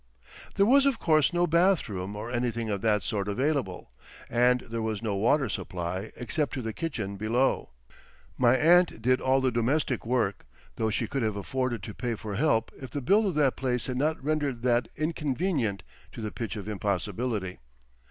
There was of course no bathroom or anything of that sort available, and there was no water supply except to the kitchen below. My aunt did all the domestic work, though she could have afforded to pay for help if the build of the place had not rendered that inconvenient to the pitch of impossibility.